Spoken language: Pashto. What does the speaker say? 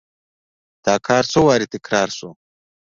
دا کار څو وارې تکرار شو.